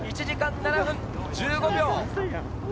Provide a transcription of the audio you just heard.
１時間７分１５秒。